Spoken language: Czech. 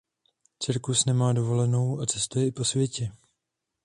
Cirkus nemá dovolenou a cestuje i po světě.